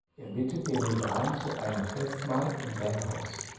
Er bittet den Rivalen zu einem Festmahl in sein Haus.